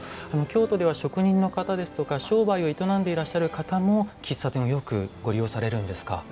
京都では職人の方ですとか商売を営んでいらっしゃる方も喫茶店をよくご利用されるんですか？